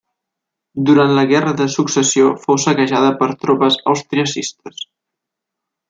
Durant la guerra de Successió fou saquejada per tropes austriacistes.